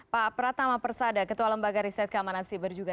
pak pratama persada ketua lembaga riset keamanan siber juga